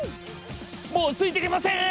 もうついていけません！